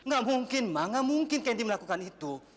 gak mungkin ma gak mungkin kendi melakukan itu